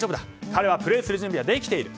彼はプレーする準備はできている。